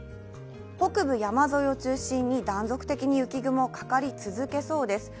北部山沿いを中心に断続的に雪雲がかかりそうです。